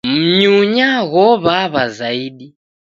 Mnyunya ghow'aw'a zaidi.